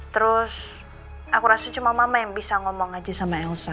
terus aku rasa cuma mama yang bisa ngomong aja sama elsa